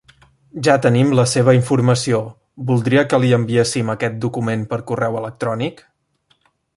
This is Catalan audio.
Ja tenim la seva informació, voldria que li enviéssim aquest document per correu electrònic?